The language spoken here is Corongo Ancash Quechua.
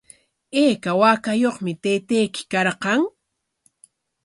¿Ayka waakayuqmi taytayki karqan?